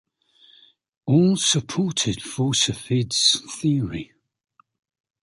All supported Forshufvud's theory.